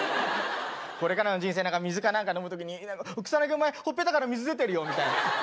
これからの人生水か何か飲む時に「草薙お前ほっぺたから水出てるよ」みたいな。